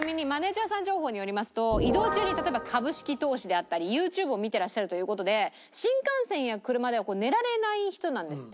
情報によりますと移動中に例えば株式投資であったりＹｏｕＴｕｂｅを見てらっしゃるという事で新幹線や車では寝られない人なんですって。